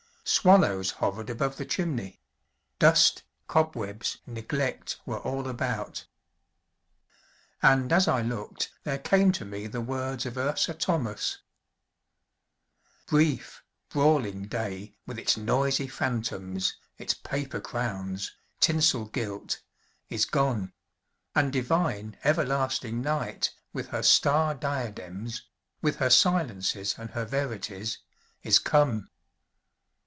Swallows hovered above the chimney; dust, cobwebs, neglect were all about. And as I looked there came to me the words of Ursa Thomas: "Brief, brawling day, with its noisy phantoms, its paper crowns, tinsel gilt, is gone; and divine, everlasting night, with her star diadems, with her silences and her verities, is come."